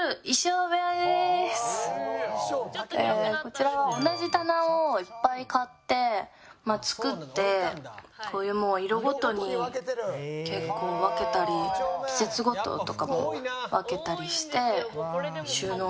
こちらは同じ棚をいっぱい買って作ってこういうもう色ごとに結構分けたり季節ごととかも分けたりして収納してます。